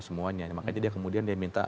semuanya makanya dia kemudian dia minta